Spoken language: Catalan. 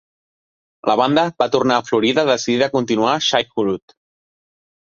La banda va tornar a Florida decidida a continuar Shai Hulud.